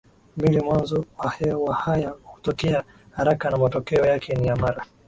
mbili mwanzo wa haya hutokea haraka na matokeo yake ni ya mara